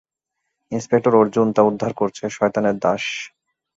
Inspector Arjun তা উদ্ধার করছে, - শয়তানের দাস।